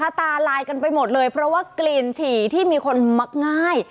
ตาลายกันไปหมดเลยเพราะว่ากลิ่นฉี่ที่มีคนมักง่าย